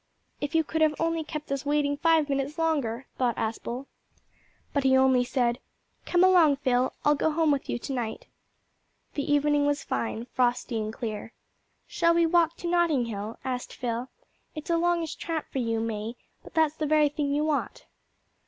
"If you could have only kept us waiting five minutes longer!" thought Aspel, but he only said "Come along, Phil, I'll go home with you to night." The evening was fine frosty and clear. "Shall we walk to Nottinghill?" asked Phil. "It's a longish tramp for you, May, but that's the very thing you want."